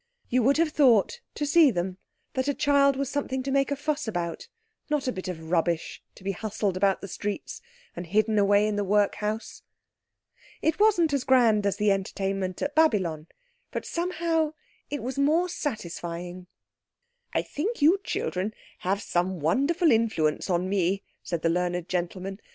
You would have thought, to see them, that a child was something to make a fuss about, not a bit of rubbish to be hustled about the streets and hidden away in the Workhouse. It wasn't as grand as the entertainment at Babylon, but somehow it was more satisfying. "I think you children have some wonderful influence on me," said the learned gentleman.